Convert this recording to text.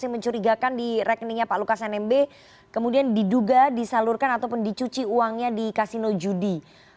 yang mencurigakan di rekeningnya pak lukas nmb kemudian diduga disalurkan ataupun dicuci uangnya di kasino judi